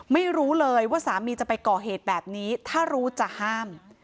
ไม่รู้เลยว่าสามีจะไปก่อเหตุแบบนี้ถ้ารู้จะห้าม